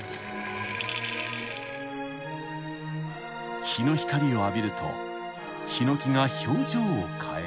［日の光を浴びるとヒノキが表情を変える］